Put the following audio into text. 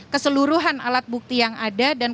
keseluruhan alat bukti yang ada dan